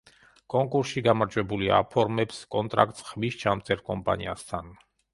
კონკურსში გამარჯვებული აფორმებს კონტრაქტს ხმისჩამწერ კომპანიასთან.